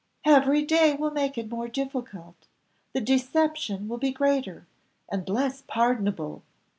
"Every day will make it more difficult. The deception will be greater, and less pardonable.